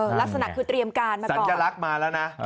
เออลักษณะคือเตรียมการมาก่อน